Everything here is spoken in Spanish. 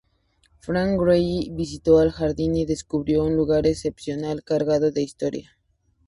Frank Gehry visitó el jardín y descubrió un lugar excepcional cargado de historia.